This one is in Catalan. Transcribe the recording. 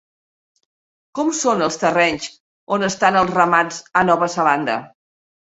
Com són els terrenys on estan els ramats a Nova Zelanda?